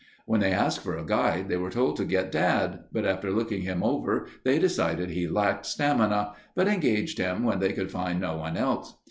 When they asked for a guide, they were told to get Dad, but after looking him over they decided he lacked stamina, but engaged him when they could find no one else.